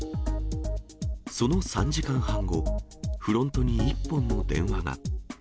その３時間半後、フロントに１本の電話が。